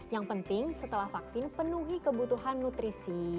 yang penting setelah vaksin penuhi kebutuhan nutrisi